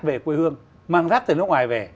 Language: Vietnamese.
về quê hương mang rác từ nước ngoài về